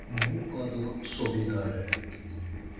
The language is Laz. Mu p̌a do so bidare!?